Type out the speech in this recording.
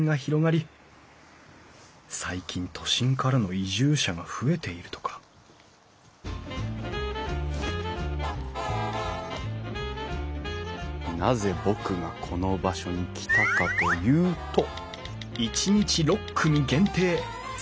最近都心からの移住者が増えているとかなぜ僕がこの場所に来たかというと。